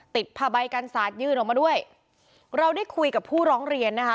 ผ้าใบกันสาดยื่นออกมาด้วยเราได้คุยกับผู้ร้องเรียนนะคะ